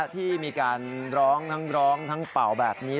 ที่มีการร้องทั้งร้องทั้งเป่าแบบนี้